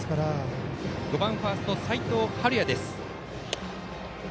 続いて５番ファースト、齋藤敏哉です。